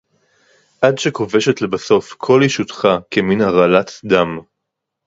עד שכובשת לבסוף כל ישותך כמין הרעלת דם